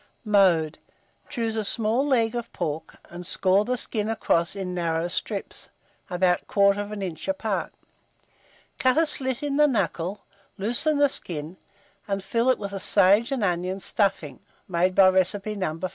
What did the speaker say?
Mode. Choose a small leg of pork, and score the skin across in narrow strips, about 1/4 inch apart. Cut a slit in the knuckle, loosen the skin, and fill it with a sage and onion stuffing, made by Recipe No.